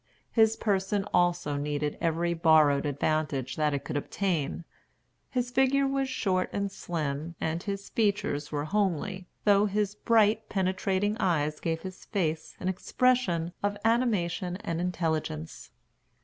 His person also needed every borrowed advantage that it could obtain. His figure was short and slim, and his features were homely, though his bright, penetrating eyes gave his face an expression of animation and intelligence.